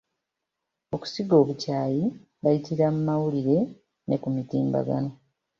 Okusiga obukyayi bayitira mu mawulire ne ku mutimbagano.